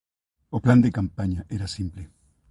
O plan de campaña era simple.